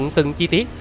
phủ nhận từng chi tiết